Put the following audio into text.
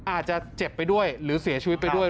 อาจจะเจ็บไปด้วยหรือเสียชีวิตไปด้วย